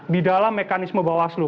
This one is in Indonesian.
di dalam mekanisme bawaslu